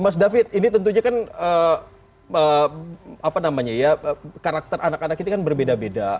mas david ini tentunya kan karakter anak anak ini kan berbeda beda